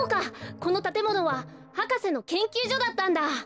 このたてものは博士のけんきゅうじょだったんだ！